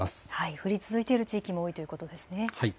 降り続いている地域も多いということですね。